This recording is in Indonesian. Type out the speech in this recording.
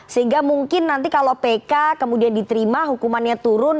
sehingga mungkin nanti kalau pk kemudian diterima hukumannya turun